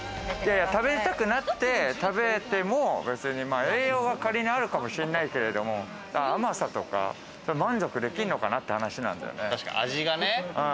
食べたくなって食べても別に栄養が仮にあるかもしんないけれども、甘さとか満足できんのかなって話なんだよね。